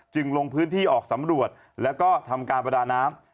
ลงพื้นที่ออกสำรวจแล้วก็ทำการประดาน้ำ